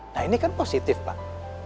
nah ini kan positif pak